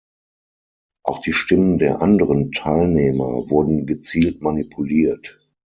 Auch die Stimmen der anderen Teilnehmer wurden gezielt manipuliert.